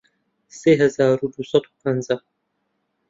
سێ هەزار و دوو سەد و پەنجا